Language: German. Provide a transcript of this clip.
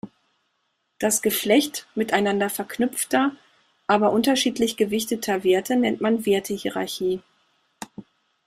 Das Geflecht miteinander verknüpfter, aber unterschiedlich gewichteter Werte nennt man "Werte-Hierarchie".